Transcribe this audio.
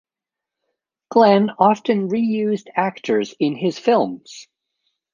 Glen often re-used actors in his films.